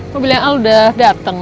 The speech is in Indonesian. mobilnya al udah dateng